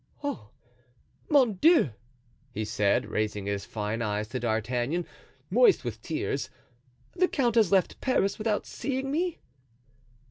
"Oh, mon Dieu!" he said, raising his fine eyes to D'Artagnan, moist with tears, "the count has left Paris without seeing me?"